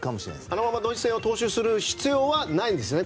あのままドイツ戦を踏襲する必要はないと。